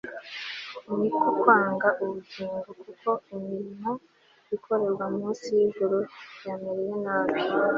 ni ko kwanga ubugingo, kuko imirimo ikorerwa munsi y'ijuru yamereye nabi